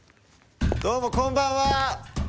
どうもこんばんは。